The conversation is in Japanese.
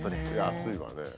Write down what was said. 安いわね。